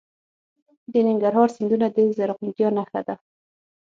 د ننګرهار سیندونه د زرغونتیا نښه ده.